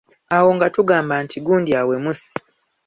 Awo nga tugamba nti gundi awemuse.